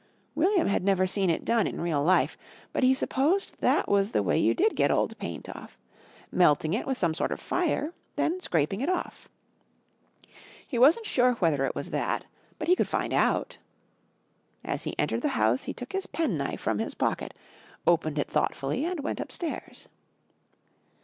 William had never seen it done in real life, but he supposed that was the way you did get old paint off. Melting it with some sort of fire, then scraping it off. He wasn't sure whether it was that, but he could find out. As he entered the house he took his penknife from his pocket, opened it thoughtfully, and went upstairs.